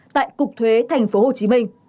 tại cục thuế thành phố hồ chí minh